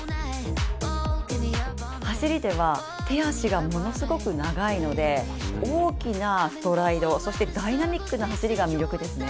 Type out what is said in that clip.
走りでは、手足がものすごく長いので大きなストライド、ダイナミックな走りが魅力ですね。